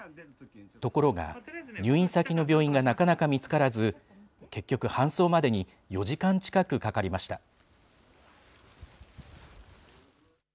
ところが、入院先の病院がなかなか見つからず、結局、搬送までに４時間近くかかりました。